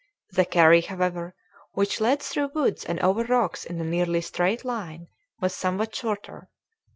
The carry, however, which led through woods and over rocks in a nearly straight line, was somewhat shorter.